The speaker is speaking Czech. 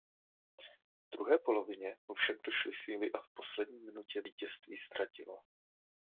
V druhé polovině mu však došly síly a v poslední minutě vítězství ztratil.